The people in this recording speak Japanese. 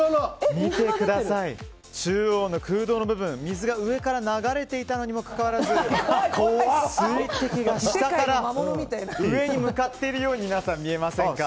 中央の空洞の部分水が上から流れていたにもかかわらず水滴が下から上に向かっているように見えませんか。